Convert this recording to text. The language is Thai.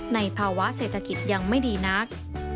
ภาวะเศรษฐกิจยังไม่ดีนัก